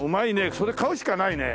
それ買うしかないね。